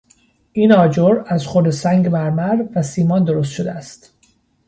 این آجر از خرده سنگ مرمر و سیمان درست شده است.